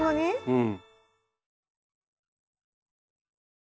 うん。